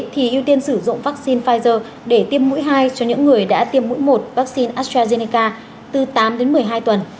thì ưu tiên sử dụng vaccine pfizer để tiêm mũi hai cho những người đã tiêm mũi một vaccine astrazeneca từ tám đến một mươi hai tuần